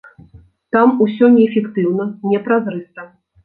Там усё неэфектыўна, не празрыста.